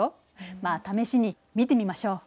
まあ試しに見てみましょう。